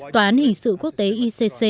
tòa án hình sự quốc tế icc